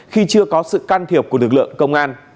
khi chưa có sự can thiệp của lực lượng công an